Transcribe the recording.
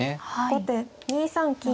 後手２三金。